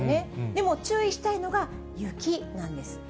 でも注意したいのが雪なんです。